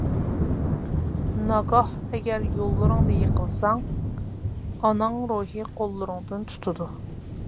ناگاھ ئەگەر يوللىرىڭدا يىقىلساڭ، ئاناڭ روھى قوللىرىڭدىن تۇتىدۇ.